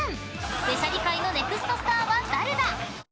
べしゃり界のネクストスターは誰だ？